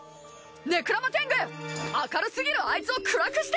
ネクラマテング明るすぎるアイツを暗くして！